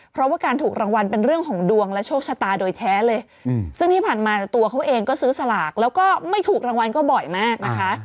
เพราะว่าการถูกรางวัลเป็นเรื่องของดวงและโชคชะตาโดยแท้เลยซึ่งที่ผ่านมาตัวเขาเองก็ซื้อสลากแล้วก็ไม่ถูกรางวัลก็บ่อยมากนะคะ